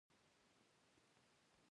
بيټسمېن د رن جوړولو هڅه کوي.